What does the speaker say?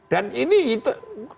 dan ini itu